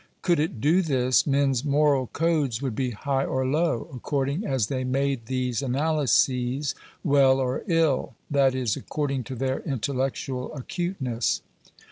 Could it do this, men's moral codes would be high or low, according as they made these analyses well or ill, that is — according to their intellectual acuteness.